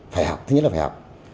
phải học thứ nhất là phải học